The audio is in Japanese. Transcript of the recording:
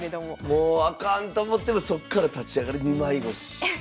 もうあかんと思ってもそっから立ち上がる二枚腰。